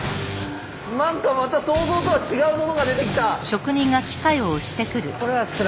なんかまた想像とは違うものが出てきた！